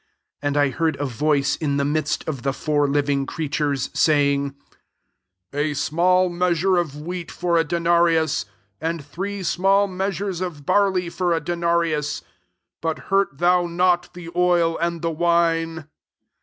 6 And I heard a voice in the midst of the four living creatures, say ing, " A small measure of wheat for a denarius, and three small measures of barley for a dena rius : but hurt thou not the oil and the wine.